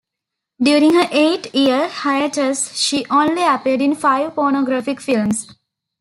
During her eight-year hiatus she only appeared in five pornographic films.